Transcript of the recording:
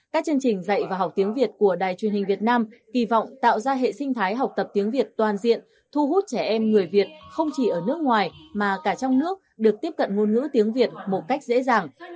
các chương trình dạy và học tiếng việt của đài truyền hình việt nam kỳ vọng tạo ra hệ sinh thái học tập tiếng việt toàn diện thu hút trẻ em người việt không chỉ ở nước ngoài mà cả trong nước được tiếp cận ngôn ngữ tiếng việt một cách dễ dàng